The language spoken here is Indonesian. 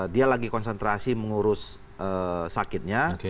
dia lagi konsentrasi mengurus sakitnya